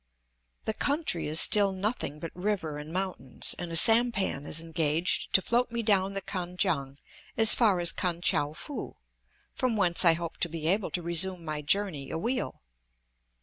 The country is still nothing but river and mountains, and a sampan is engaged to float me down the Kan kiang as far as Kan tchou foo, from whence I hope to be able to resume my journey a wheel.